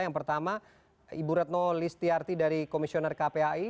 yang pertama ibu retno listiarti dari komisioner kpai